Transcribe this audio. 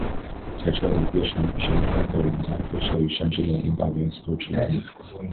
在这里，被神选中的人将被授予「神之眼」，引导元素之力。